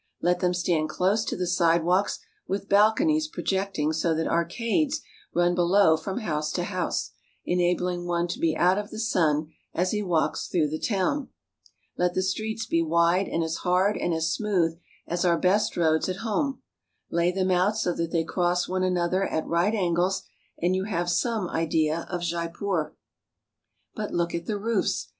Let them stand close to the side walks with balconies projecting so that arcades run below from house to house, enabling one to be out of the sun as he walks through the town. Let the streets be wide and as hard and as smooth as our best roads at home. Lay them out so that they cross one another at right angles, and you have some idea of Jaipur. But look at the roofs.